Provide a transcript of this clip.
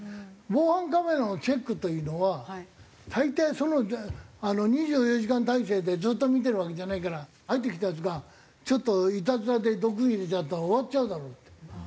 防犯カメラのチェックというのは大抵２４時間体制でずっと見てるわけじゃないから入ってきたヤツがちょっといたずらで毒入れちゃったら終わっちゃうだろって。